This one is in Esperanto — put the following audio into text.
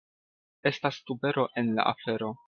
Estas tubero en la afero.